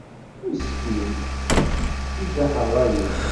Meskin, ijaḥ ṛṛay-is.